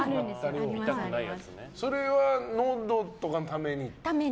それは、のどとかのために？